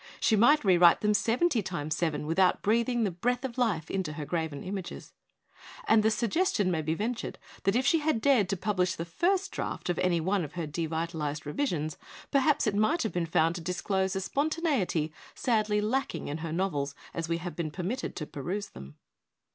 She might rewrite them seventy times seven without breathing the breath of life into her graven images; and the suggestion may be ventured that if she had dared to publish the first draft of any one of her devitalised revisions, perhaps it might have been found to disclose a spontaneity sadly lacking in her novels as we have been permitted to peruse them.